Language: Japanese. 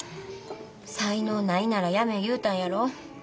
才能ないならやめえ言うたんやろ？